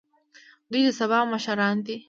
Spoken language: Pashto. دوی د سبا مشران دي